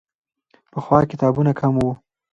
پخوا کتابونه کم وو.